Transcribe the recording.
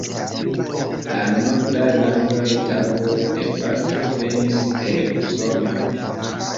Al Nordaj landoj tago de patro venis el Usono.